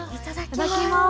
いただきます。